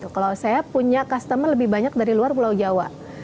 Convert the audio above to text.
kalau saya punya customer lebih banyak dari luar pulau jawa